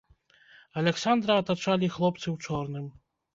Аляксандра атачалі хлопцы ў чорным.